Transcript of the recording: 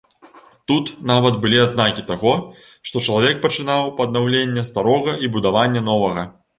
Тут нават былі адзнакі таго, што чалавек пачынаў паднаўленне старога і будаванне новага.